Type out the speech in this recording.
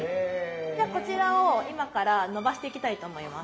じゃこちらを今から伸ばしていきたいと思います。